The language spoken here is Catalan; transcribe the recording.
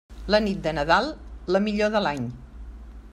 La nit de Nadal, la millor de l'any.